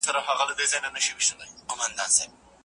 نمبر په کاغذ باندې ولیکه.